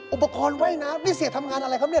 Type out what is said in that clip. อุปกรณ์ว่ายน้ำนี่เสียทำงานอะไรครับเนี่ย